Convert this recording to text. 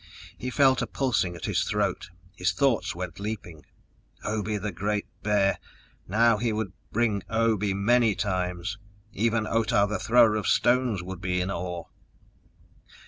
He felt a pulsing at his throat, his thoughts went leaping. Obe the Great Bear! Now he could bring Obe many times! Even Otah the Thrower of Stones would be in awe!